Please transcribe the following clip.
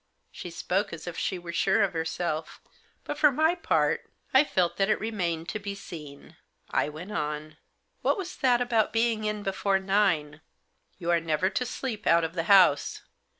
She spoke as if she were sure of herself. But, for my part, I felt that it re mained to be seen. I went on :" What was that about being in before nine ?" "You are never to sleep out of the house.